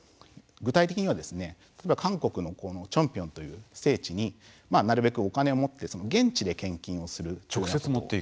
具体的には韓国のチョンピョンという聖地になるべくお金を持って現地で献金をする。